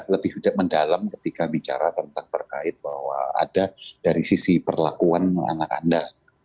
lebih mendalam ketika bicara tentang terkait bahwa ada dari sisi perlakuan anak anda